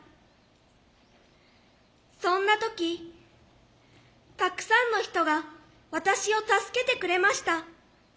そんな時たくさんの人が私を助けてくれました。